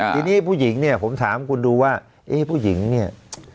ทีนี้ผู้หญิงเนี่ยผมถามคุณดูว่าเอ๊ะผู้หญิงเนี่ย